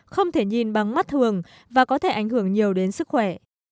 không thể nhìn bằng mắt thường và có thể ảnh hưởng nhiều đến sức khỏe